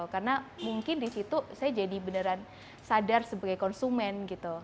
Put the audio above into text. karena mungkin disitu saya jadi beneran sadar sebagai konsumen gitu